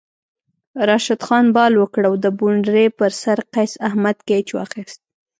راشد خان بال وکړ او د بونډرۍ پر سر قیص احمد کیچ واخیست